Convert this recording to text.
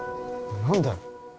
何だよ？